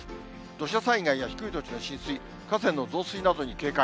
土砂災害や低い土地の浸水、河川の増水などに警戒。